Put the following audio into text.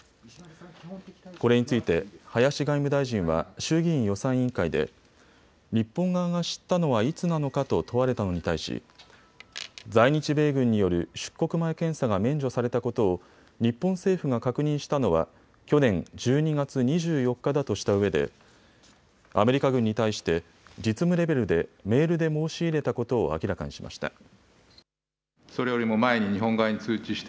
これについて林外務大臣は衆議院予算委員会で日本側が知ったのはいつなのかと問われたのに対し、在日米軍による出国前検査が免除されたことを日本政府が確認したのは去年１２月２４日だとしたうえでアメリカ軍に対して実務レベルでメールで申し入れたことを明らかにしました。